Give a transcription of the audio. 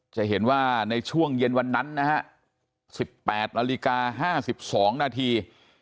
จะเห็นว่าในช่วงเย็นวันนั้นนะฮะ๑๘นาฬิกา๕๒นาที